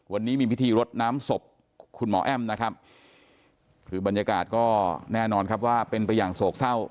วันนี้มีพิธีรดน้ำศพคุณหมอแอ้มนะครับคือบรรยากาศก็แน่นอนครับว่าเป็นไปอย่างโศกเศร้า